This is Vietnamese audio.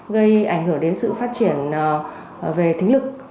gây ảnh hưởng đến sự phát triển về tính lực